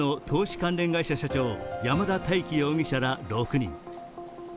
関連会社社長、山田大紀容疑者ら６人。